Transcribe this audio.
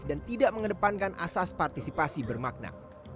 dan tidak mengedepankan asas partisipasi bermakna